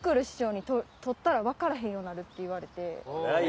師匠に取ったら分からへんようになる」って言われて。